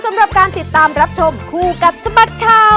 สำหรับการติดตามรับชมคู่กับสบัดข่าว